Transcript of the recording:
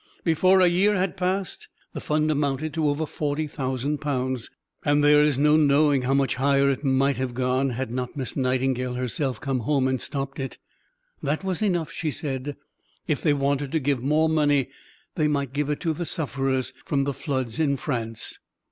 Before a year had passed, the fund amounted to over forty thousand pounds; and there is no knowing how much higher it might have gone had not Miss Nightingale herself come home and stopped it. That was enough, she said; if they wanted to give more money, they might give it to the sufferers from the floods in France.